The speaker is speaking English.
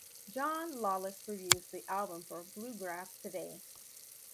John Lawless reviews the album for "Bluegrass Today".